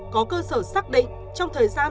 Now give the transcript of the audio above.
có cơ sở xác định trong thời gian